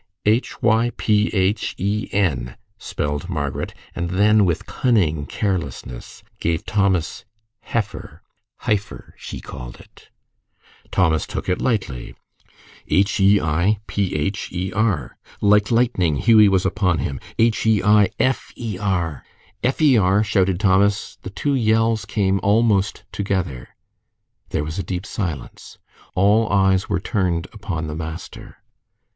"H y p h e n," spelled Margaret, and then, with cunning carelessness, gave Thomas "heifer." ("Hypher," she called it.) Thomas took it lightly. "H e i p h e r." Like lightning Hughie was upon him. "H e i f e r." "F e r," shouted Thomas. The two yells came almost together. There was a deep silence. All eyes were turned upon the master.